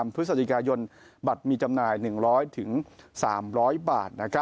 พฤศจิกายนบัตรมีจำหน่าย๑๐๐๓๐๐บาท